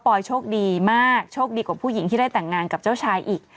อยโชคดีมากโชคดีกว่าผู้หญิงที่ได้แต่งงานกับเจ้าชายอีก